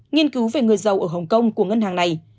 nghiên cứu về người dầu ở hồng kông của ngân hàng này